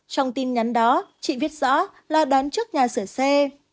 trong tin nhắn đó chị viết rõ lo đón trước nhà sửa xe